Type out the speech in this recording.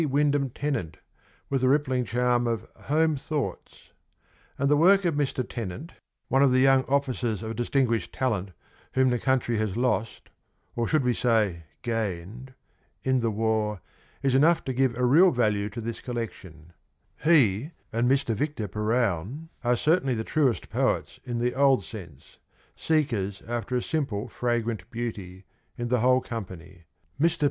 Wyndham Tennant with the rippling charm of ' Home Thoughts,' and the work of Mr. Tennant, one of the young officers of distinguished talent 105 H whom the country has lost — or should we say gained ?— in the war, is enough to give a real value to this collection. He and Mr. Victor Perowne are certainly the truest poets in the old sense — seekers after a simple fragrant beauty — in the whole company. Mr.